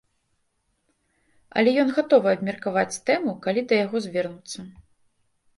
Але ён гатовы абмеркаваць тэму, калі да яго звернуцца.